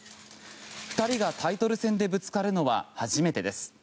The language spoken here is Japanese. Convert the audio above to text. ２人がタイトル戦でぶつかるのは初めてです。